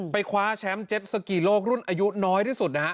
ไปคว้าแชมป์เจ็บสกิโลกรุ่นอายุน้อยที่สุด